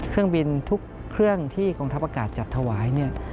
เครื่องบินทุกเครื่องที่กองทัพอากาศจัดถวายเนี่ย